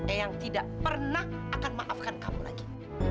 eyang tidak pernah akan maafkan kamu lagi